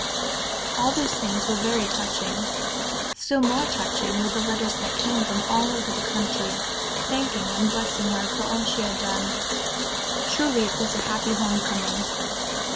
All these things were very touching; still more touching were the letters that came from all over the country, thanking and blessing her for all she had done. Truly it was a happy home coming.